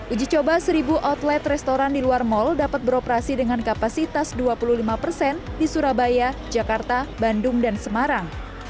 uji coba seribu outlet restoran di luar mall dapat beroperasi dengan kapasitas dua puluh lima persen di surabaya jakarta bandung dan semarang